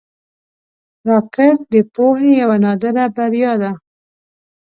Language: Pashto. راکټ د پوهې یوه نادره بریا ده